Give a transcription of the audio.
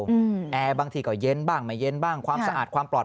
แอร์บางทีก็เย็นบ้างไม่เย็นบ้างความสะอาดความปลอด